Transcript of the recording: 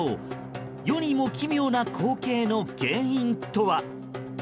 世にも奇妙な光景の原因とは。